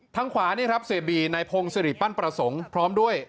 ทางขวานี่ครับเสียบีนายพงศิริปั้นประสงค์พร้อมด้วย